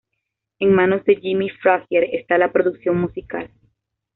En manos de Jimmy Frazier está la producción musical.